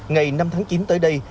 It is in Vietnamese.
ngày năm tháng chín tới đây